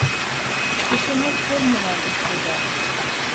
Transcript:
Кешене тел менән үлсәйҙәр.